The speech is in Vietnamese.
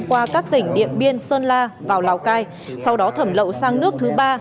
qua các tỉnh điện biên sơn la vào lào cai sau đó thẩm lậu sang nước thứ ba